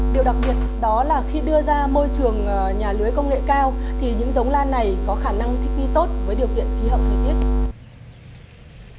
điều đặc biệt đó là khi đưa ra môi trường nhà lưới công nghệ cao thì những giống lan này có khả năng thích nghi tốt với điều kiện khí hậu thời tiết